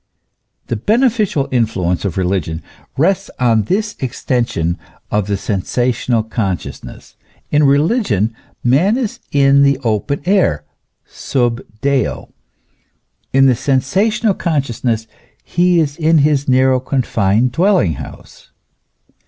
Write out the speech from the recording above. The beneficial influence of religion rests on this extension of the sensational consciousness. In religion man is in the open air, sub deo; in the sensational consciousness he is in his narrow confined dwelling house.